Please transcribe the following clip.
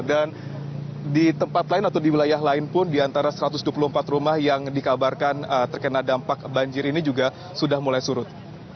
dan di tempat lain atau di wilayah lain pun di antara satu ratus dua puluh empat rumah yang dikabarkan terkena dampak banjir ini juga sudah mulai surut